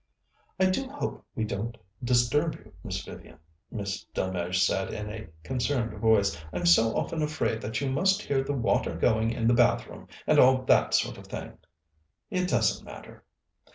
"I do hope we don't disturb you, Miss Vivian," Miss Delmege said, in a concerned voice. "I'm so often afraid that you must hear the water going in the bathroom, and all that sort of thing." "It doesn't matter."